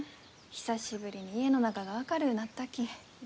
久しぶりに家の中が明るうなったき。